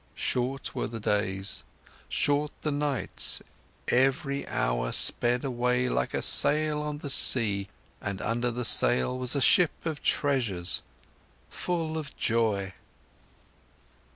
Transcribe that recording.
Short were the days, short the nights, every hour sped swiftly away like a sail on the sea, and under the sail was a ship full of treasures, full of joy.